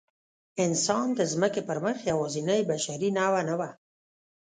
انسان د ځمکې پر مخ یواځینۍ بشري نوعه نه وه.